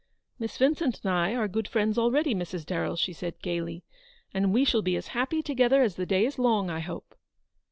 " Miss Vincent and I are good friends already, Mrs. Darrell," she said, gaily, "and we shall be as happy together as the day is long, I hope."